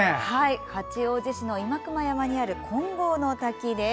八王子市の今熊山にある金剛の滝です。